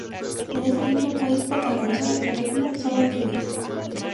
En ese mismo país, protagonizó la película "Solo química".